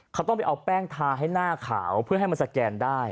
เขาต้องไปเอาแป้งทาให้หน้าขาวเพื่อให้มันสแกนได้